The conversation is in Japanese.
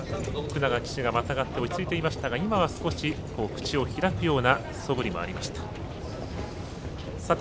福永騎手がまたがって落ち着いていましたが今は少し口を開くようなそぶりもありました。